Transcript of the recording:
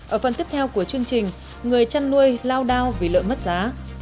ở phần tiếp theo của chương trình người chăn nuôi lao đao vì lợn mất giá